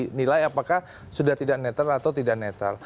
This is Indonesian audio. nilai apakah sudah tidak netral atau tidak netral